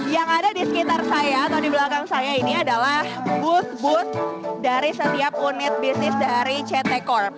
yang ada di sekitar saya atau di belakang saya ini adalah booth booth dari setiap unit bisnis dari ct corp